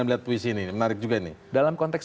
melihat puisi ini menarik juga ini dalam konteks